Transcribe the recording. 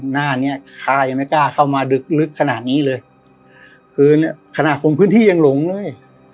หน้าเนี้ยคายังไม่กล้าเข้ามาดึกลึกขนาดนี้เลยคือเนี้ยขนาดคงพื้นที่ยังหลงเลย